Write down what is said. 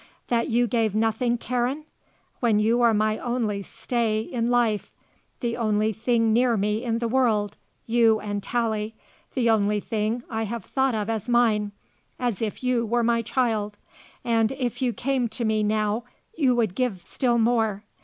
That you gave nothing, Karen? When you are my only stay in life, the only thing near me in the world you and Tallie the thing that I have thought of as mine as if you were my child. And if you came to me now you would give still more.